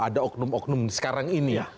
ada oknum oknum sekarang ini ya